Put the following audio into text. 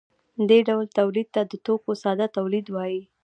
دې ډول تولید ته د توکو ساده تولید وايي.